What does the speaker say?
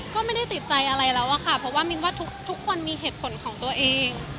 ก็ไม่ได้ติดใจอะไรแล้วอะค่ะเพราะว่ามินว่าทุกคนมีเหตุผลของตัวเอง